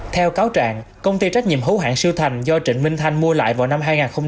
theo cáo trạng công ty trách nhiệm hữu hạng siêu thành do trịnh minh thanh mua lại vào năm hai nghìn một mươi